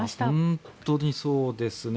本当にそうですね。